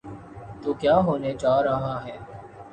تو کیا ہونے جا رہا ہے؟